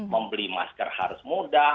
membeli masker harus mudah